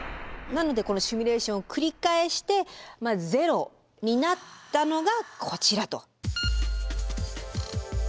なのでこのシミュレーションを繰り返してゼロになったのがこちらと。